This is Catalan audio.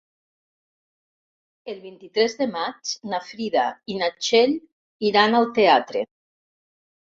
El vint-i-tres de maig na Frida i na Txell iran al teatre.